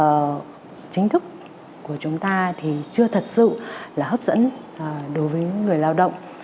và chính thức của chúng ta thì chưa thật sự là hấp dẫn đối với người lao động